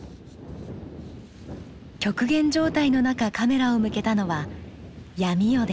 極限状態の中カメラを向けたのは闇夜です。